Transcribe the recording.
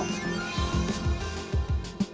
gak ada apa apa